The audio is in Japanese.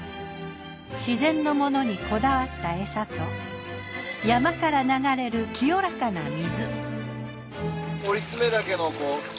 自然のものにこだわった餌と山から流れる清らかな水。